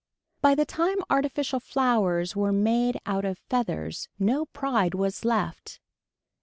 By the time artificial flowers were made out of feathers no pride was left.